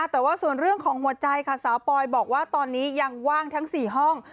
แต่ว่าส่วนเรื่องของหัวใจค่ะสาวปอยบอกว่าตอนนี้ยังว่างทั้ง๔ห้อง